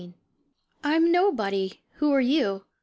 I. I'm nobody! Who are you?